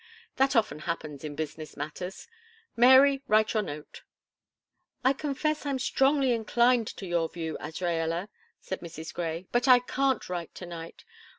That often happens in business matters. Mary, write your note." "I confess I'm strongly inclined to your view, Azraella," said Mrs. Grey, "but I can't write to night.